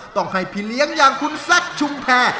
ต้องให้พี่เลี้ยงอย่างคุณแซคชุมแพร